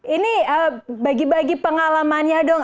ini bagi bagi pengalamannya dong